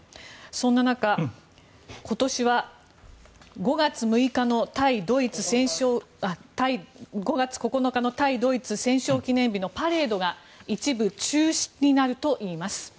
そんな中、今年は５月９日の対ドイツ戦勝記念日のパレードが一部中止になるといいます。